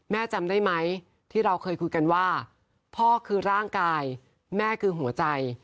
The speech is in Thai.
จำได้ไหมที่เราเคยคุยกันว่าพ่อคือร่างกายแม่คือหัวใจ